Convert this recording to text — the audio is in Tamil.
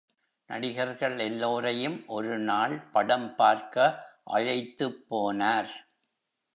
நடிகர்கள் எல்லோரையும் ஒரு நாள் படம்பார்க்க அழைத்துப்போனார்.